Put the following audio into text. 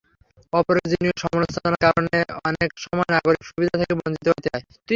অপ্রয়োজনীয় সমালোচনার কারণে অনেক সময় নাগরিক সুবিধা থেকে বঞ্চিত হতে হয়।